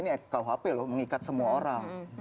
ini rkuhp loh mengikat semua orang